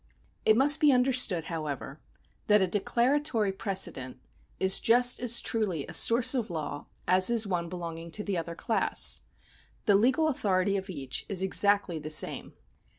It must be understood, however, that a declaratory prece dent is just as truly a source of law as is one belonging to the other class. The legal authority of each is exactly the same.